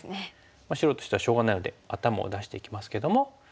白としてはしょうがないので頭を出していきますけども。